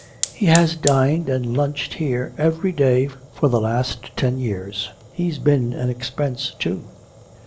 'He has dined and lunched here every day for the last ten years. He's been an expense too.'